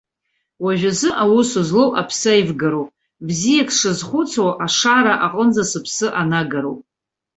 Уажәазыҳәа аус злоу аԥсааивгароуп, бзиак сшазхәыцуа ашара аҟынӡа сыԥсы анагароуп.